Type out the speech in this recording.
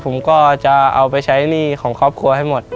ผมก็จะเอาไปใช้หนี้ของครอบครัวให้หมด